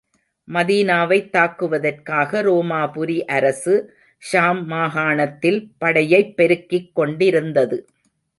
மதீனாவைத் தாக்குவதற்காக, ரோமாபுரி அரசு, ஷாம் மாகாணத்தில் படையைப் பெருக்கிக் கொண்டிருந்தது.